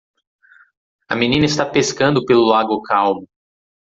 A menina está pescando pelo lago calmo.